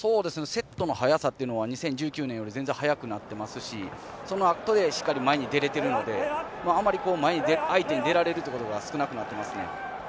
セットの速さは２０１９年より全然速くなっていますしそのあとでしっかり前に出れているので相手に出られることが少なくなっていますね。